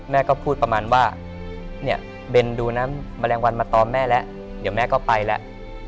แม่ก็พูดประมาณว่าเนี่ยเบนดูน้ำแมลงวันมาตอมแม่แล้วเดี๋ยวแม่ก็ไปแล้ว